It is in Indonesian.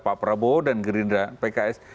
pak prabowo dan gerindra pks